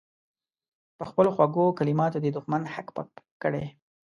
په خپلو خوږو کلماتو دې دښمن هک پک کړي.